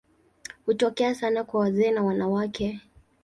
Hutokea sana kwa wazee na wanawake.